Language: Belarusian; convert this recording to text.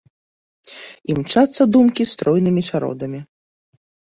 Імчацца думкі стройнымі чародамі.